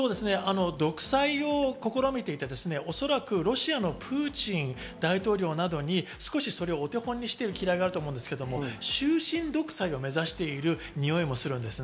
独裁を試みていて、おそらくロシアのプーチン大統領などに少しそれをお手本にしてるきらいがあると思うんですけど、終身独裁を目指しているにおいもします。